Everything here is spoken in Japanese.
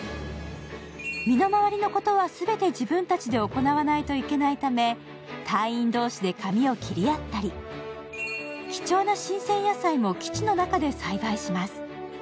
身の回りのことは全て自分たちで行わないといけないため、隊員同士で髪を切り合ったり貴重な新鮮野菜も基地の中で栽培します。